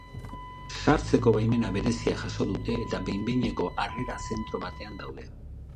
Sartzeko baimen berezia jaso dute, eta behin behineko harrera zentro batean daude.